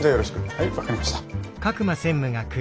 はい分かりました。